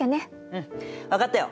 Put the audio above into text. うん分かったよ。